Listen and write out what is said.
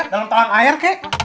dalam tangang air kek